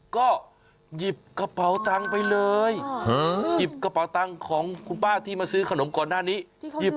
ก็หยิบกระเป๋าตังค์ไปเลย